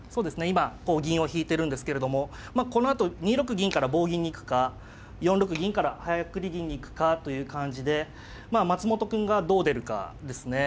今こう銀を引いてるんですけれどもこのあと２六銀から棒銀に行くか４六銀から早繰り銀に行くかという感じでまあ松本くんがどう出るかですね。